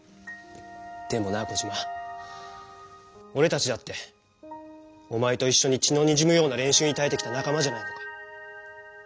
でもなコジマおれたちだっておまえといっしょに血のにじむような練習にたえてきた仲間じゃないのか？